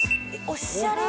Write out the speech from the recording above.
おしゃれ！